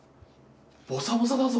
ボサボサだぞ！